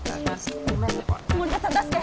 森田さん出して。